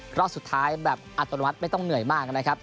รอบสุดท้ายแบบอัตโนมัติไม่ต้องเหนื่อยมากนะครับ